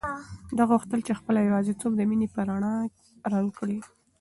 ده غوښتل چې خپله یوازیتوب د مینې په رڼا رنګ کړي.